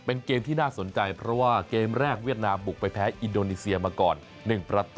เป็นเกมที่น่าสนใจเพราะว่าเกมแรกเวียดนามบุกไปแพ้อินโดนีเซียมาก่อน๑ประตู